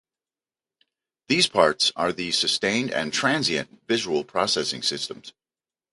These parts are the sustained and transient visual processing systems.